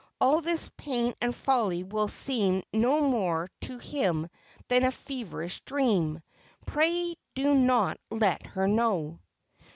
All this pain and folly will seem no more to him than a feverish dream. Pray do not let her know.'